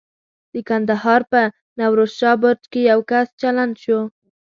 د کندهار په نوروز شاه برج کې یو کس چلنج شو.